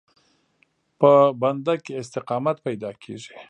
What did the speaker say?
په بنده کې استقامت پیدا کېږي.